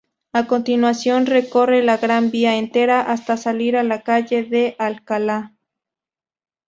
A continuación recorre la Gran Vía entera hasta salir a la calle de Alcalá.